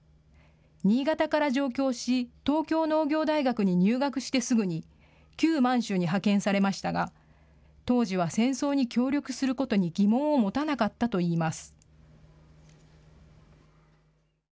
新潟から上京し東京農業大学に入学してすぐに旧満州に派遣されましたが当時は戦争に協力することに疑問を持たなかったと言います。